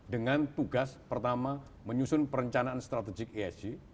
dengan tugas pertama menyusun perencanaan strategik esg